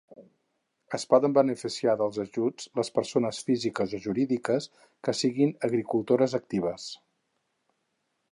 Es poden beneficiar dels ajuts les persones físiques o jurídiques que siguin agricultores actives.